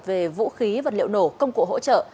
về vũ khí vật liệu nổ công cụ hỗ trợ